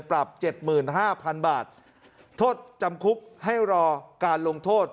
ปรับเจ็ดหมื่นห้าพันบาททดจำคุกให้รอการลงโทษ